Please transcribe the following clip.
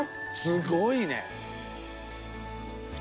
すごいね！